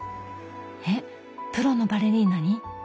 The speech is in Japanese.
えっプロのバレリーナに？